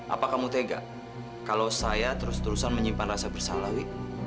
apa kamu tega kalau saya terus terusan menyimpan rasa bersalahwi